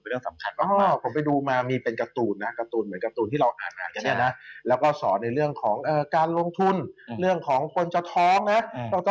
เป็นเรื่องสำคัญมาก